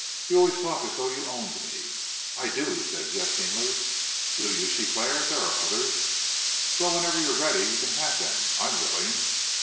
"You always talk as though you owned me." "I do," he said jestingly. "Do you?" she flared. "There are others." "Well, whenever you're ready you can have them. I'm willing."